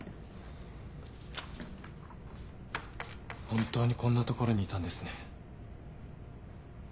本当にこんな所にいたんですね。